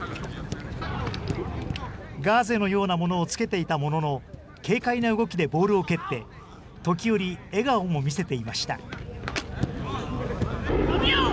ガーゼのようなものをつけていたものの、軽快な動きでボールを蹴って、時折、笑顔も見せていました。